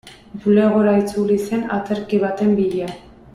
Bulegora itzuli zen aterki baten bila.